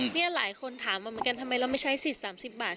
นี่หลายคนถามมาเหมือนกันทำไมเราไม่ใช้สิทธิ์๓๐บาท